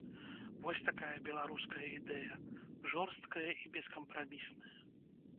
Вось такая беларуская ідэя, жорсткая і бескампрамісная.